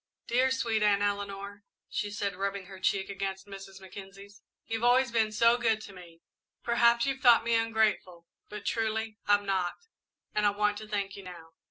"Dear, sweet Aunt Eleanor," she said, rubbing her cheek against Mrs. Mackenzie's, "you've always been so good to me. Perhaps you've thought me ungrateful, but truly I'm not, and I want to thank you now."